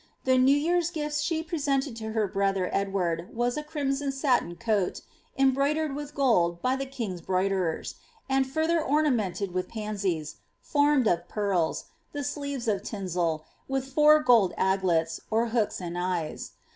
The Xew year'^s gift she presented to her brother Edward was a crimson satia coat, embroidered with gold ^ by the king's broidereni,'' and further ornaniented with pansies, formed of pearls, the sleeves of tinseL with four ^old aglets, or h(x>ks and eyes.